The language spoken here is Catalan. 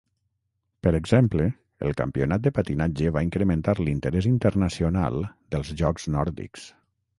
Per exemple, el Campionat de patinatge va incrementar l'interès internacional dels jocs nòrdics.